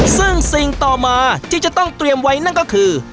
ซึ่งสิ่งต่อมาที่จะต้องเตรียมไว้นั่นก็คือ